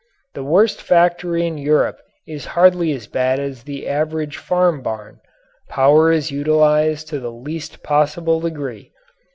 The worst factory in Europe is hardly as bad as the average farm barn. Power is utilized to the least possible degree.